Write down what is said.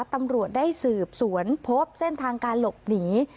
ตำรวจได้สืบสวนพบเส้นทางการหลบหนี